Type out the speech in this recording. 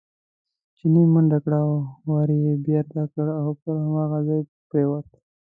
چیني منډه کړه، ور یې بېرته کړ او پر هماغه ځای پرېوت.